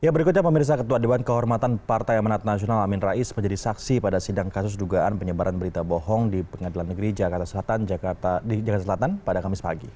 berikutnya pemirsa ketua dewan kehormatan partai amanat nasional amin rais menjadi saksi pada sidang kasus dugaan penyebaran berita bohong di pengadilan negeri jakarta selatan pada kamis pagi